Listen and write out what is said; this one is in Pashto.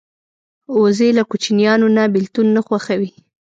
وزې له کوچنیانو نه بېلتون نه خوښوي